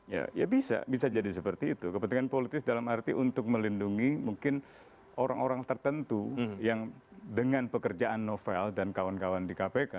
ya bisa bisa jadi seperti itu kepentingan politis dalam arti untuk melindungi mungkin orang orang tertentu yang dengan pekerjaan novel dan kawan kawan di kpk